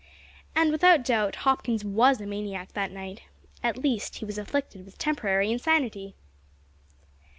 And, without doubt, Hopkins was a maniac that night at least he was afflicted with temporary insanity!